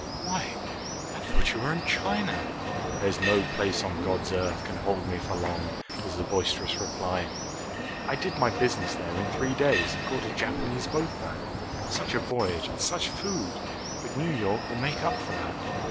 Why, I thought you were in China." "There's no place on God's earth can hold me for long," was the boisterous reply. "I did my business there in three days and caught a Japanese boat back. Such a voyage and such food! But New York will make up for that.